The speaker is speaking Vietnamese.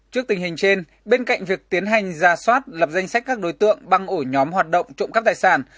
trước tình hình trên bên cạnh việc tiến hành ra soát lập danh sách các đối tượng băng ổ nhóm hoạt động trộm cắp tài sản